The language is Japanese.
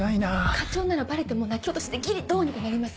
課長ならバレても泣き落としでギリどうにかなります。